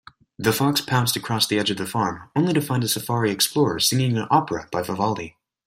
The fox pounced across the edge of the farm, only to find a safari explorer singing an opera by Vivaldi.